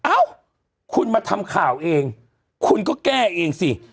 เอาขึ้นมาทำข่าวเองขึ้นก็แกล้ไหว้เองสิ